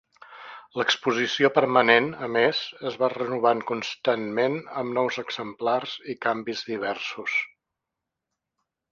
L'exposició permanent, a més, es va renovant constantment amb nous exemplars i canvis diversos.